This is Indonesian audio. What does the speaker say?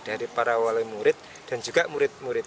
dari para wali murid dan juga murid murid